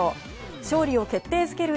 勝利を決定づける